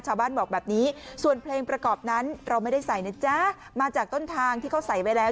ชาวบ้านบอกแบบนี้ส่วนเพลงประกอบนั้นเราไม่ได้ใส่นะจ๊ะมาจากต้นทางที่เขาใส่ไว้แล้ว